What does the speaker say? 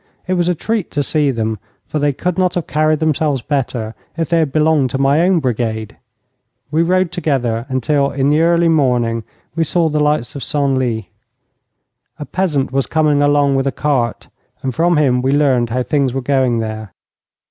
It was a treat to see them, for they could not have carried themselves better if they had belonged to my own brigade. We rode together, until in the early morning we saw the lights of Senlis. A peasant was coming along with a cart, and from him we learned how things were going there.